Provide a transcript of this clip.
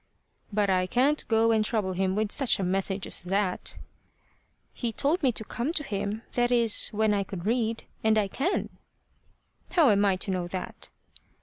"But I can't go and trouble him with such a message as that." "He told me to come to him that is, when I could read and I can." "How am I to know that?"